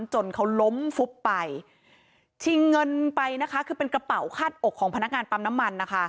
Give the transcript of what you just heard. จนเขาล้มฟุบไปชิงเงินไปนะคะคือเป็นกระเป๋าคาดอกของพนักงานปั๊มน้ำมันนะคะ